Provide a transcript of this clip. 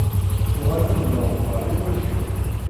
Uɣalen d leɣbar i wakal.